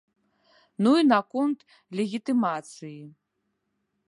Ну і наконт легітымацыі.